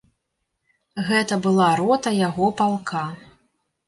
Гэта была рота яго палка.